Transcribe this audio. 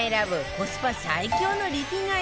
コスパ最強のリピ買い